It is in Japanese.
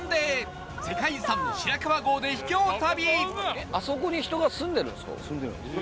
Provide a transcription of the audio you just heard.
世界遺産の白川郷で秘境旅